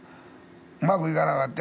うまくいかなかった